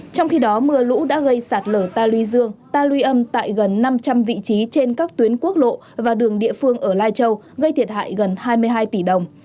trong khi đó mưa lũ đã gây sạt lở ta luy dương ta luy âm tại gần năm trăm linh vị trí trên các tuyến quốc lộ và đường địa phương ở lai châu gây thiệt hại gần hai mươi hai tỷ đồng